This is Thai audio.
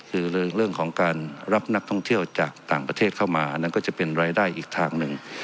คือเรื่องของการรับนักท่องเที่ยวจากต่างประเทศเข้ามาอันนั้นก็จะเป็นรายได้อีกทางหนึ่ง